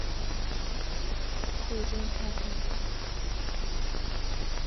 推薦看看。